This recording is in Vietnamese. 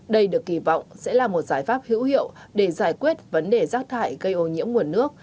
đây được kỳ vọng sẽ là một giải pháp hữu hiệu để giải quyết vấn đề rác thải gây ô nhiễm nguồn nước